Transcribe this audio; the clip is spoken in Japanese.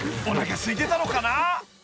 ［おなかすいてたのかな？］